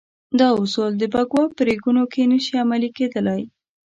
دا اصول د بکواه په ریګونو کې نه شي عملي کېدلای.